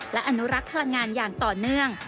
และอนุรักษ์พลังงานอย่างต่อเนื่อง